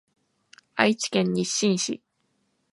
愛知県日進市